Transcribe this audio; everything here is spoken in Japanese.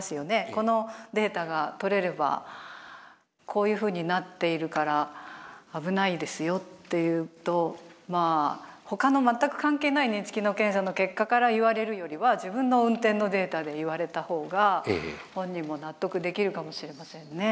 このデータがとれれば「こういうふうになっているから危ないですよ」って言うと他の全く関係ない認知機能検査の結果から言われるよりは自分の運転のデータで言われた方が本人も納得できるかもしれませんね。